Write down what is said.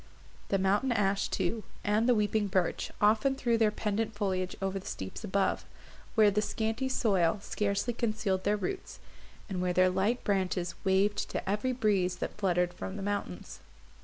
The mountain ash too, and the weeping birch, often threw their pendant foliage over the steeps above, where the scanty soil scarcely concealed their roots, and where their light branches waved to every breeze that fluttered from the mountains.